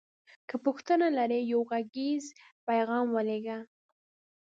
که پوښتنه لری یو غږیز پیغام ولیږه